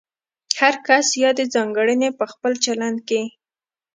هر کس یادې ځانګړنې په خپل چلند کې